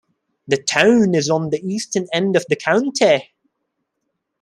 The town is on the eastern end of the county.